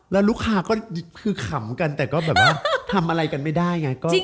แล้วลูกค้าก็คือขำกันแต่ก็แบบว่าทำอะไรกันไม่ได้ไง